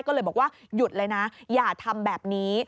ก็เลยบอกว่าหยุดเลยนะอย่าทำแบบนี้